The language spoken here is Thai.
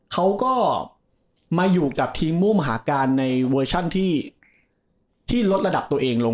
เขาก็มาอยู่กับทีมมุมหาการในเวอร์ชันที่ลดระดับตัวเองลง